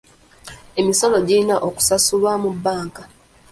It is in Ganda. Emisolo girina kusasulwa mu bbanka.